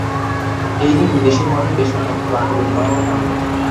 এই নিয়ে দুই দেশের মধ্যে বেশ উত্তপ্ত বাক্যবিনিময়ও হয়।